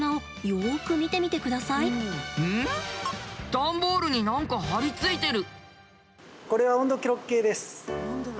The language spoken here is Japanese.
段ボールに何か貼り付いてる。